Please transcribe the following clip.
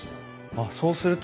あっそうすると。